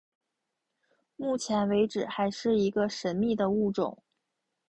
目前为止还是一个神秘的物种。